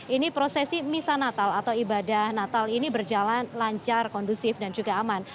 ini prosesi misa natal atau ibadah natal ini berjalan lancar kondusif dan juga aman